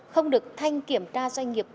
không được thanh kiểm tra doanh nghiệp